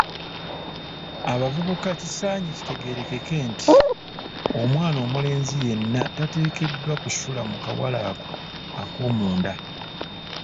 Abavubuka kisaanye kitegeerekeke nti, omwana omulenzi yenna tateekeddwa kusula mu kawale ako ak'omunda.